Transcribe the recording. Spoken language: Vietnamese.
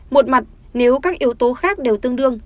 một mặt nếu các yếu tố khác đều tương đương